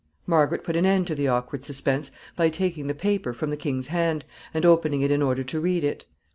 Margaret put an end to the awkward suspense by taking the paper from the king's hand, and opening it in order to read it.